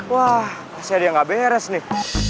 wah masih ada yang gak beres nih